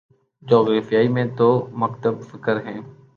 جغرافیہ میں دو مکتب فکر ہیں